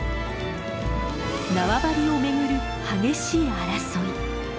縄張りを巡る激しい争い。